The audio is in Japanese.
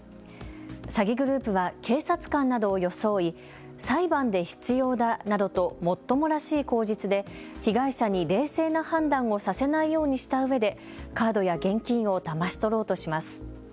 詐欺グループは警察官などを装い裁判で必要だなどともっともらしい口実で被害者に冷静な判断をさせないようにしたうえでカードや現金をだまし取ろうとします。